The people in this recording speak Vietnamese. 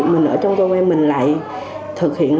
mình ở trong cơ quan mình lại thực hiện